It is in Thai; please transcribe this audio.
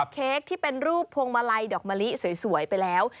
เค้กที่เป็นรูปพวงมาลัยดอกมะลิสวยไปแล้ว